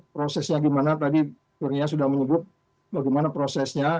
prosesnya gimana tadi kurnia sudah menyebut bagaimana prosesnya